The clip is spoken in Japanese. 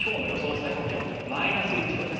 最高気温マイナス１度です。